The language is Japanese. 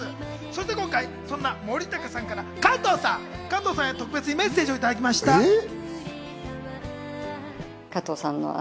そして今回、そんな森高さんから加藤さん、特別にメッセージをいただきましえっ？